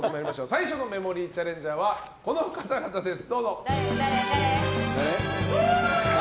最初のメモリーチャレンジャーはこの方々です！